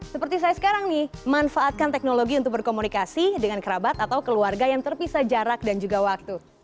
seperti saya sekarang nih manfaatkan teknologi untuk berkomunikasi dengan kerabat atau keluarga yang terpisah jarak dan juga waktu